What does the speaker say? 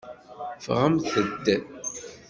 Ffɣemt-d.